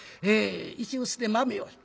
石臼で豆をひく。